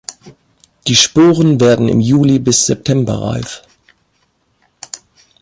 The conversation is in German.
Die Sporen werden im Juli bis September reif.